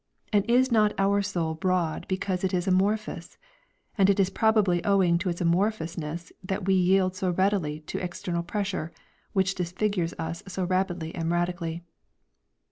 And is not our soul broad because it is amorphous? And it is probably owing to its amorphousness that we yield so readily to external pressure, which disfigures us so rapidly and radically."